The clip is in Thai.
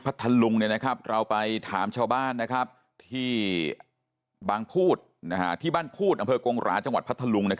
พะทะลุงเราไปถามชาวบ้านที่บ้านพู่ดอกลวงหราจพะทะลุง